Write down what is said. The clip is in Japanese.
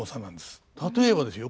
例えばですよ